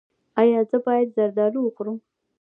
ایا زه باید زردالو وخورم؟